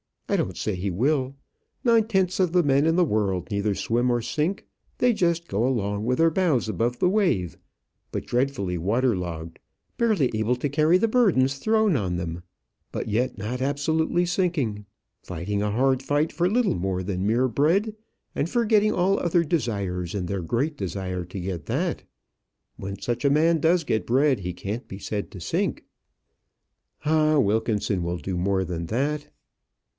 I don't say he will. Nine tenths of the men in the world neither swim nor sink; they just go along with their bows above the wave, but dreadfully water logged, barely able to carry the burdens thrown on them; but yet not absolutely sinking; fighting a hard fight for little more than mere bread, and forgetting all other desires in their great desire to get that. When such a man does get bread, he can't be said to sink." "Ah! Wilkinson will do more than that."